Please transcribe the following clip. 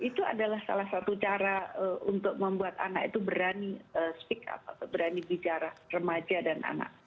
itu adalah salah satu cara untuk membuat anak itu berani speak up berani bicara remaja dan anak